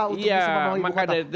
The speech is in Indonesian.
untuk bisa membangun ibu kota